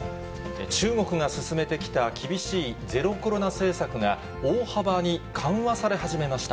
中国が進めてきた厳しいゼロコロナ政策が、大幅に緩和され始めました。